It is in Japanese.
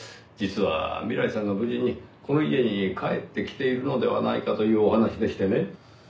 実は未来さんが無事にこの家に帰ってきているのではないかというお話でしてね。